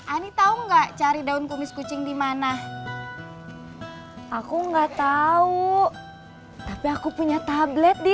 air jeruk nipis sama daun kumis kucing dimana aku enggak tahu tapi aku punya tablet di